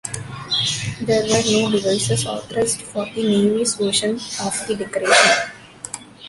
There were no devices authorized for the Navy's version of the decoration.